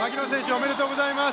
おめでとうございます。